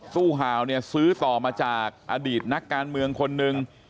ตู้ห่าวเนี่ยซื้อต่อมาจากอดีตนักการเมืองคนหนึ่ง